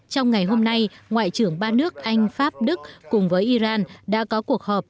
trong ngày hôm nay ngoại trưởng ba nước anh pháp đức cùng với iran đã có cuộc họp